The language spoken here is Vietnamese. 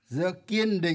giữa kiên định và thực tiễn